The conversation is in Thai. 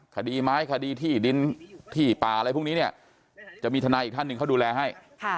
คดีไม้คดีที่ดินที่ป่าอะไรพวกนี้เนี่ยจะมีทนายอีกท่านหนึ่งเขาดูแลให้